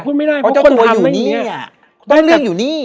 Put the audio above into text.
เพราะตัวอยู่นี่